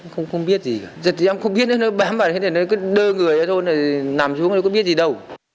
không biết gì cả giật thì em không biết nữa nó bám vào thì nó đơ người thôi nằm xuống thì không biết gì đâu